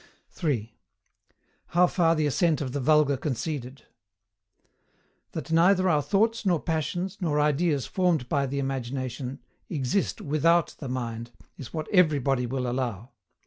3. HOW FAR THE ASSENT OF THE VULGAR CONCEDED. That neither our thoughts, nor passions, nor ideas formed by the imagination, exist WITHOUT the mind, is what EVERYBODY WILL ALLOW.